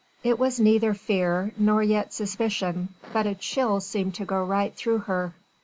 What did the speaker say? It was neither fear nor yet suspicion, but a chill seemed to go right through her.